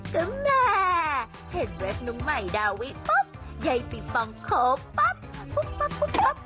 ก็แง่เห็นเรฟนุ่มใหม่ดาวิปุ๊บใยปิงปองโคบปั๊บปุ๊บปั๊บปุ๊บปั๊บ